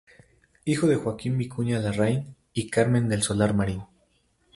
Hijo de Joaquín Vicuña Larraín y Carmen del Solar Marín.